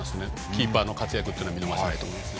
キーパーの活躍は見逃せないと思います。